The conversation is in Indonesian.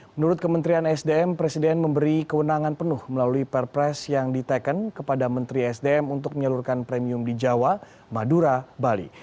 menurut kementerian sdm presiden memberi kewenangan penuh melalui perpres yang diteken kepada menteri sdm untuk menyalurkan premium di jawa madura bali